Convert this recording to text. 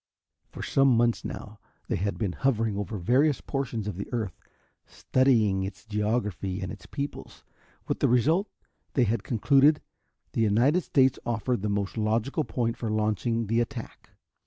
For some months now they had been hovering over various portions of the earth, studying its geography and its peoples, with the result that they had concluded the United States offered the most logical point for launching the attack.